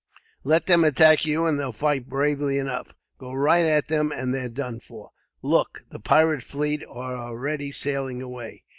Let them attack you, and they'll fight bravely enough. Go right at them, and they're done for. "Look, the pirate fleet are already sailing away."